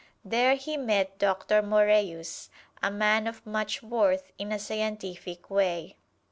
There he met Doctor Moræus, a man of much worth in a scientific way.